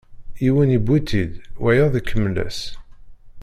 Yiwen iwwi-tt-id, wayeḍ ikemmel-as.